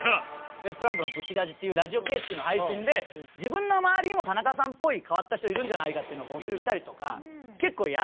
『ウエストランドのぶちラジ！』っていうラジオ形式の配信で自分の周りにも田中さんっぽい変わった人いるんじゃないかっていうのを募集したりとか結構やってたんですそれを。